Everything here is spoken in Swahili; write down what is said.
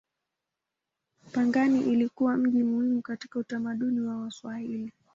Pangani ilikuwa mji muhimu katika utamaduni wa Waswahili.